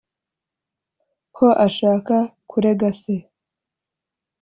ko ashaka kurega se